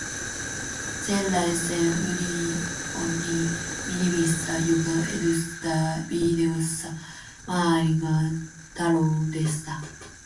Sellaisen unionin nimissä, joka edustaa viidesosaa maailman taloudesta.